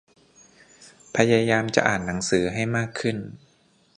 พยายามจะอ่านหนังสือให้มากขึ้น